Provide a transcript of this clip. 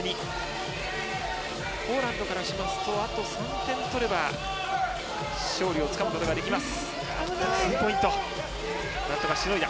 ポーランドからしまうとあと３点取れば勝利をつかむことができます。